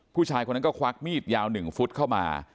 ผู้ชายคนนั้นก็ควักมีดยาว๑ฟุตเข้ามา